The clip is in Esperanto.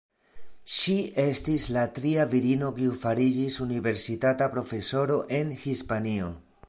Ŝi estis la tria virino kiu fariĝis universitata profesoro en Hispanio.